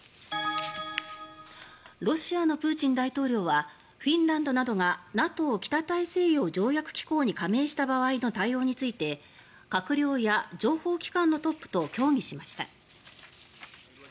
ロシアのプーチン大統領はフィンランドなどがＮＡＴＯ・北大西洋条約機構に加盟した場合の対応について閣僚や情報機関のトップと協議しました。